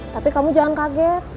tapi kamu jangan kaget